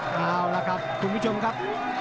เอาล่ะครับคุณผู้ชมครับ